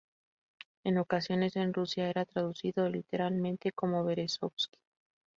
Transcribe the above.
En ocasiones, en Rusia era traducido literalmente como Berezovski.